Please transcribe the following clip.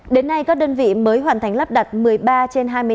đến nay các đơn vị mới hoàn thành lắp đặt một mươi ba trên hai mươi bốn